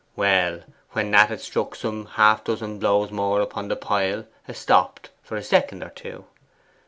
'Well, when Nat had struck some half dozen blows more upon the pile, 'a stopped for a second or two.